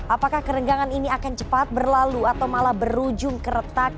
apakah kerenggangan ini akan cepat berlalu atau malah berujung keretak